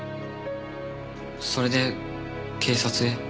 それで警察へ。